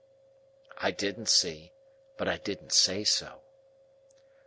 I didn't see; but I didn't say so.